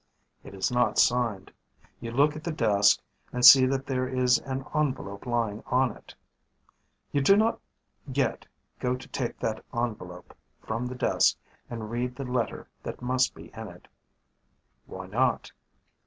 It is not signed. You look at the desk and see that there is an envelope lying on it. You do not yet go to take that envelope from the desk and read the letter that must be in it. Why not?